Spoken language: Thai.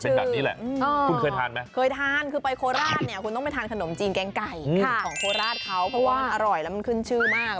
เพราะว่าอร่อยแล้วมันขึ้นชื่อมาก